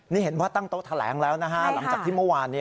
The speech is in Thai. นี่เห็นว่าตั้งโต๊ะแถลงแล้วนะฮะหลังจากที่เมื่อวาน